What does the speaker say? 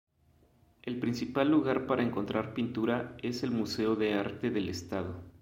El principal lugar para encontrar pintura es el Museo de Arte del Estado.